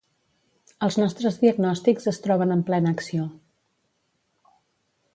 Els nostres diagnòstics es troben en plena acció.